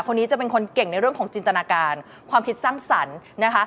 คนนี้จะเป็นคนเก่งในเรื่องของจินตนาการความคิดสร้างสรรค์นะคะ